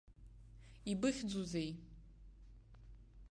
Ибыхьӡузеи?